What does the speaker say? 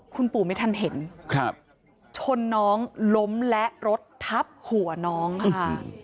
คุณปู่ไม่ทันเห็นครับชนน้องล้มและรถทับหัวน้องค่ะ